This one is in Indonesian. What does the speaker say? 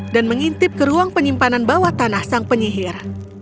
dan mengintip ke ruang penyimpanan bawah tanah sang penyihir